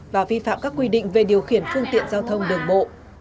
và vi phạm các quy định về điều khiển phương tiện giao thông đường bộ